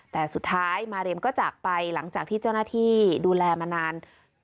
แต่สุดท้ายมาเรียมก็จากไปหลังจากที่เจ้าหน้าที่ดูแลมานาน